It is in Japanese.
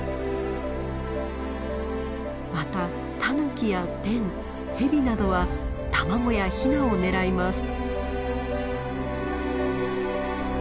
またタヌキやテンヘビなどは卵やヒナを狙います。